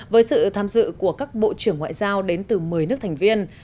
với sự tham dự của các bộ trưởng ngoại giao đến từ một mươi nước thành viên